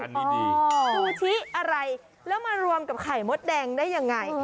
ซูชิอะไรแล้วมารวมกับไข่มดแดงได้ยังไง